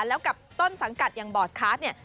แล้วกับต้นสังกัดอย่างบอร์สคาร์ดเนี่ย